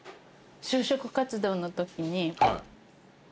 就職活動のときに。